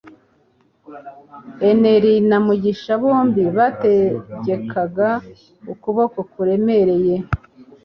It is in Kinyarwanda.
Henry na Mugisha bombi bategekaga ukuboko kuremereye